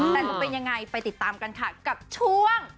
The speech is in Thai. แต่จะเป็นยังไงไปติดตามกันค่ะกับช่วง